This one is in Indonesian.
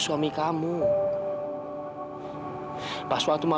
pas waktu malam pernikahan baro ini beruntung aja